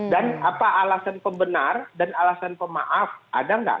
dan apa alasan pembenar dan alasan pemaaf ada tidak